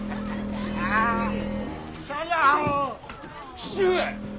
父上！